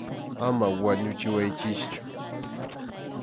Ama wañuchiwaychikchu.